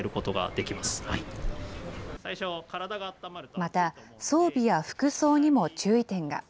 また、装備や服装にも注意点が。